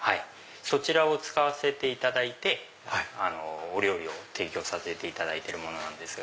そちらを使わせていただいてお料理を提供させていただいてるんですが。